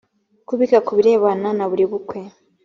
kubika ku birebana na buri bukwe.